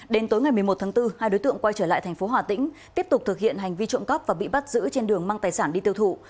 đến tối ngày một mươi một tháng bốn hai đối tượng quay trở lại thành phố hà tĩnh tiếp tục thực hiện hành vi trộm cắp và bị bắt giữ trên đường mang tài sản đi tiêu thụ